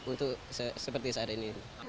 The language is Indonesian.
untuk seperti saat ini